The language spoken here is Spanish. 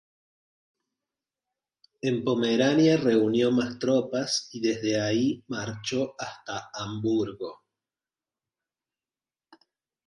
En Pomerania reunió más tropas y desde ahí marchó hasta Hamburgo.